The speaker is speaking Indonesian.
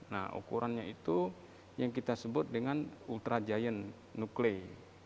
nah ukurannya itu yang kita sebut dengan ultra giant nuklay